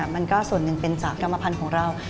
มันก็ส่วนหนึ่งเป็นจากกรรมพันธุ์ของเรา